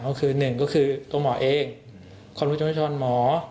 ก็คือหนึ่งตัวหมอเองความผู้ชมชนหมอ